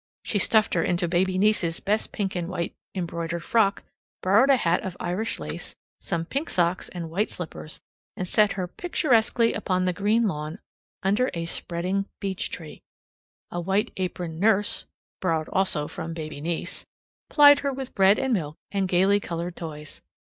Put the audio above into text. She stuffed her into baby niece's best pink and white embroidered frock, borrowed a hat of Irish lace, some pink socks and white slippers, and set her picturesquely upon the green lawn under a spreading beech tree. A white aproned nurse (borrowed also from baby niece) plied her with bread and milk and gaily colored toys.